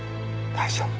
大丈夫。